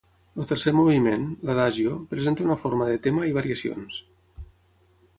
El tercer moviment, l'adagio, presenta una forma de tema i variacions.